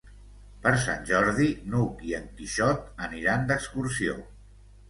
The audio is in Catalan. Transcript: Per Sant Jordi n'Hug i en Quixot aniran d'excursió.